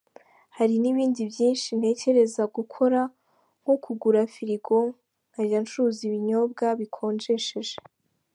Hari n’ibindi byinshi ntekereza gukora nko kugura firigo nkajya ncuruza ibinyobwa bikonjesheje.